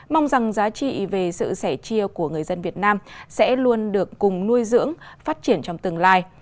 mong rằng giá trị về sự sẻ chia của người dân việt nam sẽ luôn được cùng nuôi dưỡng phát triển trong tương lai